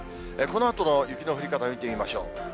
このあとの雪の降り方、見てみましょう。